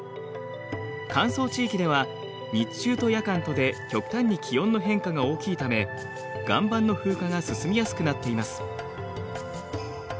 乾燥地域では日中と夜間とで極端に気温の変化が大きいため岩盤の風化が進みやすくなっています。